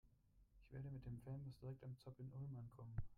Ich werde mit dem Fernbus direkt am ZOB in Ulm ankommen.